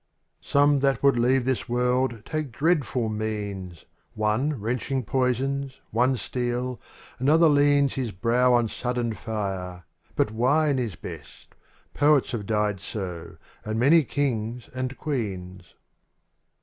JOME that would leave this world take dreadful means. One wrenching poisons, one steel, another leans His brow on sudden fire, but wine is best — Poets have died so, and many kings, and queens.